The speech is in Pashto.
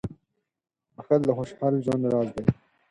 • بښل د خوشحال ژوند راز دی.